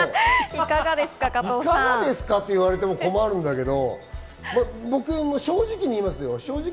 いかがですかって言われても困るけど、正直に言います。